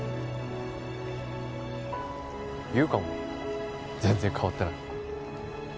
優香も全然変わってない。